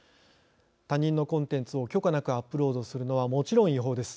他人のコンテンツを許可なくアップロードするのはもちろん違法です。